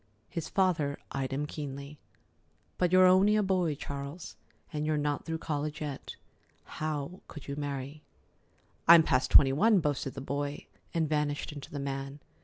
His father eyed him keenly. "But you're only a boy, Charles, and you're not through college yet. How could you marry?" "I'm past twenty one," boasted the boy, and vanished into the man.